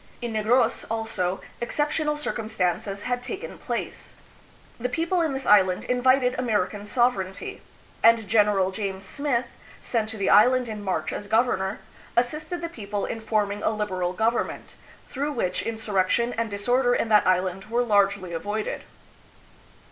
In Negros, also, exceptional circumstances had taken place. The people in this island invited American sovereignty; and Gen. James Smith, sent to the island in March as governor, assisted the people hi forming a liberal government, through which insurrection and disorder in that island were largely avoided.